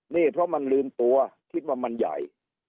นี่เพราะมันลืมตัวคิดว่ามันใหญ่